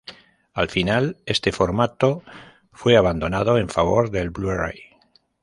Al final, este formato fue abandonado en favor del Blu-ray.